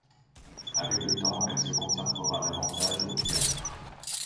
Avec le temps, elle se consacrera davantage au théâtre.